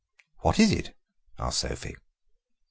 "What is it?" asked Sophie.